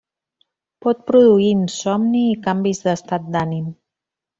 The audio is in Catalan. Pot produir insomni i canvis d'estat d'ànim.